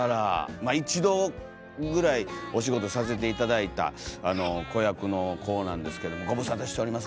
まあ一度ぐらいお仕事させて頂いた子役の子なんですけど「ご無沙汰しております